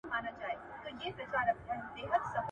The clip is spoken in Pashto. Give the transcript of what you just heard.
په دې کيسه کي کومه ستونزه نسته.